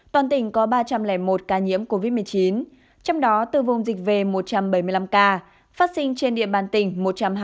toàn tỉnh có ba trăm linh một ca nhiễm covid một mươi chín trong đó từ vùng dịch v một trăm bảy mươi năm ca phát sinh trên địa bàn tỉnh một trăm hai mươi sáu ca